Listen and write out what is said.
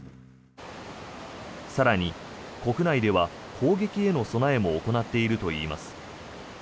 更に、国内では砲撃への備えも行っているといいます。